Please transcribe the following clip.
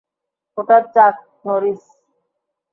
ওটা চাক নরিস।